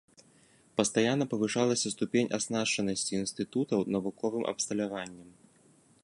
Пастаянна павышалася ступень аснашчанасці інстытутаў навуковым абсталяваннем.